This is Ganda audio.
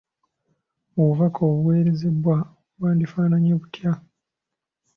Obubaka obuweerezebwa bwandifaananye butya?